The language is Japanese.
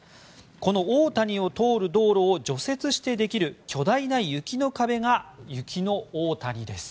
この大谷を通る道路を除雪してできる巨大な雪の壁が雪の大谷です。